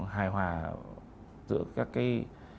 hài hòa giữa các cái